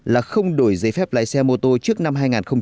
là không đổi giấy phép lái xe mô tô trước năm hai nghìn một mươi sáu